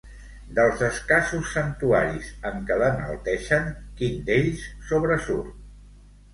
Dels escassos santuaris en què l'enalteixen, quin d'ells sobresurt?